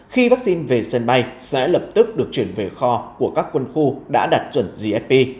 khi vaccine về sân bay sẽ lập tức được chuyển về kho của các quân khu đã đạt chuẩn gsp